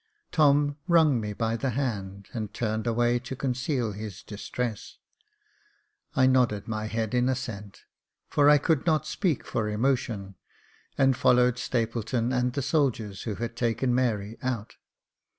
Tom wrung me by the hand, and turned away to conceal his distress. I nodded my head in assent, for I could not speak for emotion, and followed Stapleton and the soldiers who had taken Mary out.